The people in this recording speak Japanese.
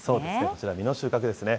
こちら、実の収穫ですね。